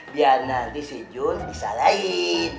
biar nanti si jul disalahin